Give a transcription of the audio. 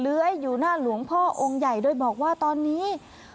อยู่หน้าหลวงพ่อองค์ใหญ่โดยบอกว่าตอนนี้